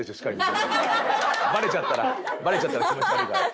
バレちゃったらバレちゃったら気持ち悪いから。